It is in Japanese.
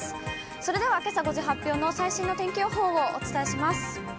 それでは、けさ５時発表の最新の天気予報をお伝えします。